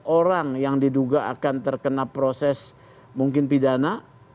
orang yang diduga akan terkena proses mungkin pidana